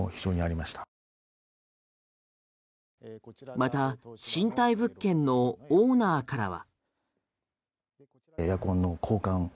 また賃貸物件のオーナーからは。